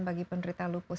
bagi penderita lupus